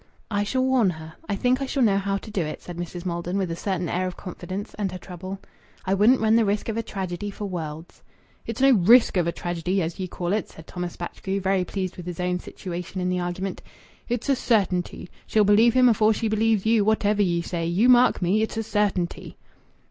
"I shall warn her. I think I shall know how to do it," said Mrs. Maldon, with a certain air of confidence amid her trouble. "I wouldn't run the risk of a tragedy for worlds." "It's no risk of a tragedy, as ye call it," said Thomas Batchgrew, very pleased with his own situation in the argument. "It's a certainty. She'll believe him afore she believes you, whatever ye say. You mark me. It's a certainty."